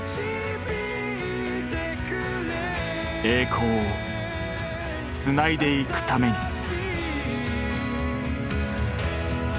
栄光をつないでいくために。